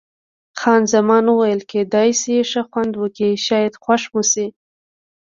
خان زمان وویل: کېدای شي ښه خوند وکړي، شاید خوښ مو شي.